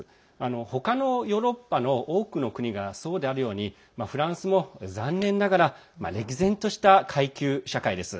他のヨーロッパの多くの国がそうであるようにフランスも残念ながら歴然とした階級社会です。